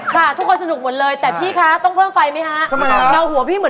ค่ะทุกคนสนุกหมดเลยแต่พี่คะต้องเพิ่มไฟไหมคะ